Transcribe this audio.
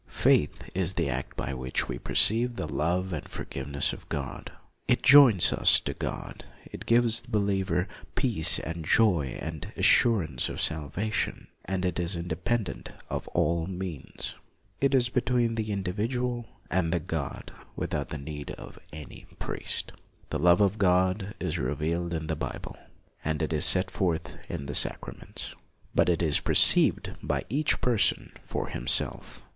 Faith is the act by which we perceive the love and forgiveness of God. It joins us to God; it gives the believer peace and joy and assurance of salvation. And it is independent of all means. It is between the individual and God, without the need of any priest. The love of God is re vealed in the Bible, and it is set forth in the sacraments, but it is perceived by each person for himself.